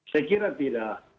saya kira tidak